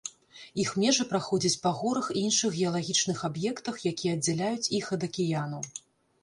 Іх межы праходзяць па горах і іншых геалагічных аб'ектах, якія аддзяляюць іх ад акіянаў.